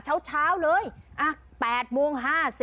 เช้าเลย๘โมง๕๐